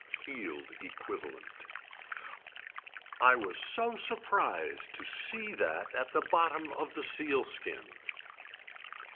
Field equivalent. I was so surprised to see that at the bottom of the sealskin.